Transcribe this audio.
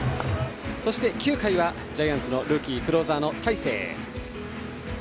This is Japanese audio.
そして９回はジャイアンツのルーキークローザーの大勢。